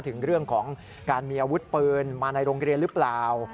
ถึงเรื่องของการมีอาวุธปืนมาในโรงเรียนหรือเปล่า